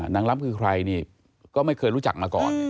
ล้ำคือใครนี่ก็ไม่เคยรู้จักมาก่อน